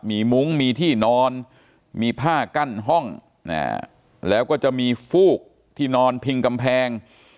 มีมุ้งมีที่นอนมีผ้ากั้นห้องแล้วก็จะมีฟูกที่นอนพิงกำแพง